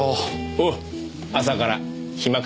おう朝から暇か？